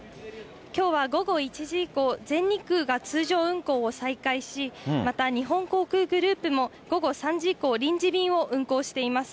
きょうは午後１時以降、全日空が通常運航を再開し、また日本航空グループも、午後３時以降、臨時便を運航しています。